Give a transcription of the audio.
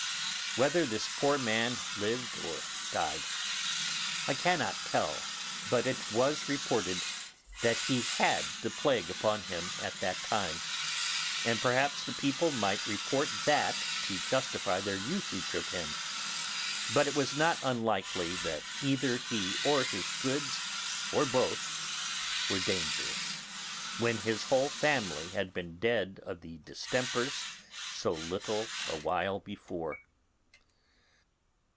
Whether this poor man lived or died I cannot tell, but it was reported that he had the plague upon him at that time; and perhaps the people might report that to justify their usage of him; but it was not unlikely that either he or his goods, or both, were dangerous, when his whole family had been dead of the distempers so little a while before.